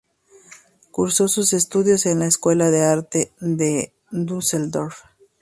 Cursó sus estudios en la Escuela de Arte de Düsseldorf.